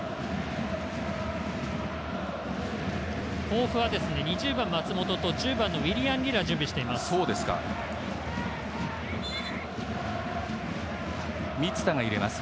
甲府は２０番の松本とウィリアン・リラが準備しています。